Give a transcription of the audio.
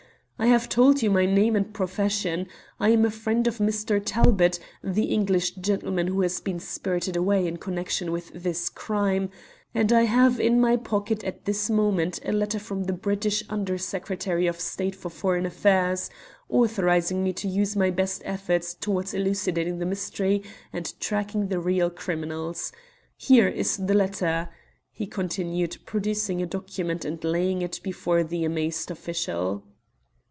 I have told you my name and profession. I am a friend of Mr. Talbot, the English gentleman who has been spirited away in connection with this crime, and I have in my pocket at this moment a letter from the British Under Secretary of State for Foreign Affairs, authorising me to use my best efforts towards elucidating the mystery and tracking the real criminals. Here is the letter," he continued, producing a document and laying it before the amazed official.